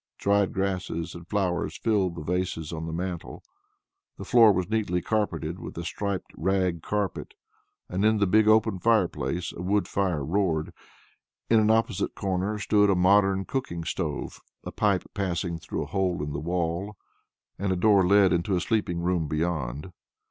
Dried grasses and flowers filled the vases on the mantle. The floor was neatly carpeted with a striped rag carpet, and in the big open fireplace a wood fire roared. In an opposite corner stood a modern cooking stove, the pipe passing through a hole in the wall, and a door led into a sleeping room beyond.